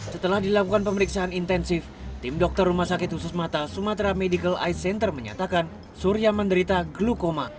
setelah dilakukan pemeriksaan intensif tim dokter rumah sakit khusus mata sumatera medical ice center menyatakan surya menderita glukoma